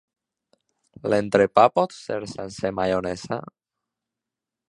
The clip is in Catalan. L'entrepà pot ser sense maionesa?